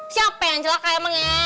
siapa yang celaka emang ya